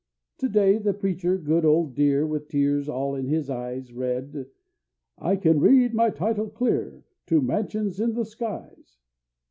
To day the preacher, good old dear, With tears all in his eyes, Read, "I can read my title clear To mansions in the skies."